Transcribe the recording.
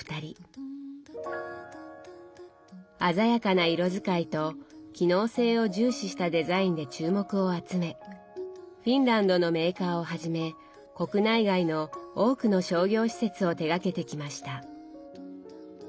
鮮やかな色使いと機能性を重視したデザインで注目を集めフィンランドのメーカーをはじめ国内外の多くの商業施設を手がけてきました。